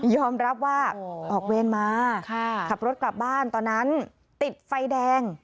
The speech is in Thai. รับว่าออกเวรมาขับรถกลับบ้านตอนนั้นติดไฟแดง